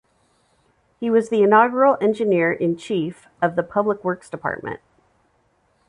He was the inaugural Engineer in Chief of the Public Works Department.